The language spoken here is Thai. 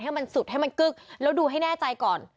ให้มันสุดให้มันกึ๊กแล้วดูให้แน่ใจก่อน